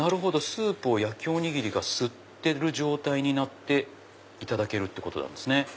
スープを焼きおにぎりが吸ってる状態になっていただけるってことなんですね。